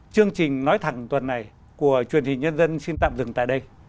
chương trình nói thẳng tuần này của truyền hình nhân dân xin tạm dừng tại đây